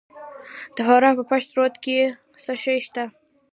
د فراه په پشت رود کې څه شی شته؟